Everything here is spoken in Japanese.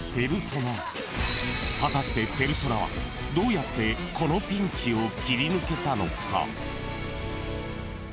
［果たしてペルソナはどうやってこのピンチを切り抜けたのか？］